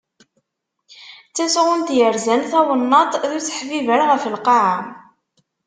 D tasɣunt yerzan tawennaṭ d useḥbiber ɣef Lqaɛa.